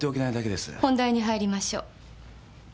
本題に入りましょ。